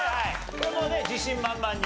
これもうね自信満々に。